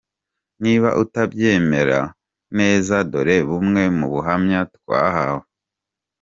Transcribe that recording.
Niba utabyemera neza, dore bumwe mu buhamya twahawe.